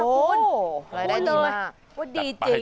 โหรายได้ดีมาก